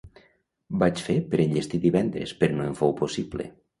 Vaig fer per enllestir divendres, però no em fou possible.